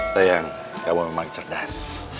sayang kamu emang cerdas